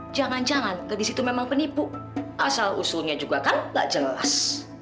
jangan jangan di situ memang penipu asal usulnya juga kan gak jelas